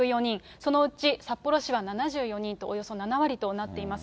そのうち札幌市は７４人とおよそ７割となっています。